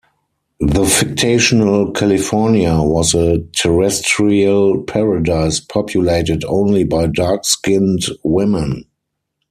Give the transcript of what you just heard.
The fictional California was a terrestrial paradise populated only by dark-skinned women.